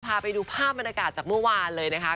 พาไปดูภาพบรรยากาศจากเมื่อวานเลยนะคะ